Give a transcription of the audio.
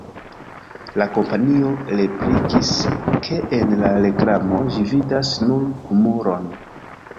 La kompanio replikis, ke en la reklamo ĝi vidas nur humuron.